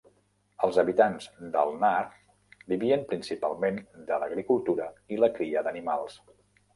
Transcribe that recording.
Els habitants d'Al-Nahr vivien principalment de l'agricultura i la cria d'animals.